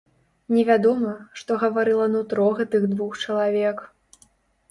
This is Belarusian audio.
Невядома, што гаварыла нутро гэтых двух чалавек.